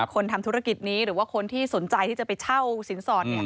คนทำธุรกิจนี้หรือว่าคนที่สนใจที่จะไปเช่าสินสอด